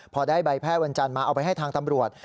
พอได้ใบแพทย์วันจันทร์มาเอาไปให้ทางตำรวจ